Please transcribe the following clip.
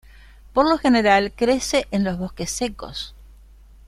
Por lo general crece en los bosques secos.